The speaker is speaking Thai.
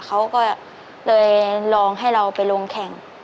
เขาก็เลยลองให้เราไปลงแข่ง